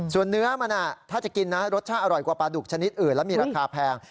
ส่วนเนื้อมันถ้าจะกินนะรสชาติอร่อยกว่าปลาดุกชนิดอื่นแล้วมีราคาแพง